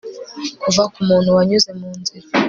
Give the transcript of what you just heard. kuva kumuntu wanyuze munzira